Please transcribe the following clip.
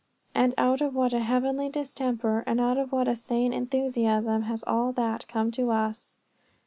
And out of what a heavenly distemper and out of what a sane enthusiasm has all that come to us!"